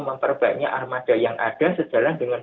memperbanyak armada yang ada sejalan dengan